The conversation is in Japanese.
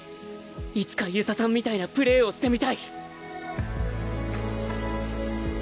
いつか遊佐さんみたいなプレーをしてみたい